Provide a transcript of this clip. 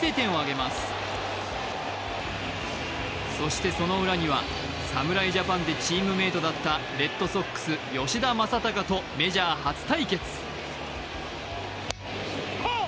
エンゼルスが先制点を挙げますそして、そのウラには侍ジャパンでチームメートだったレッドソックス・吉田正尚とメジャー初対決。